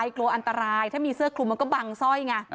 กลัวอันตรายถ้ามีเสื้อคลุมมันก็บังสร้อยไง